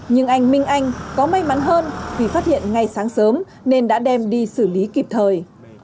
nhưng anh minh anh có may mắn hơn vì phát hiện ngay sáng sớm nên đã đem đi xử lý kịp thời